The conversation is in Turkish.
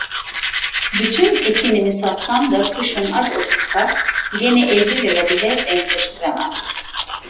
Bütün ekinimi satsam da kışın aç otursak, gene elli lira bile denkleştiremem…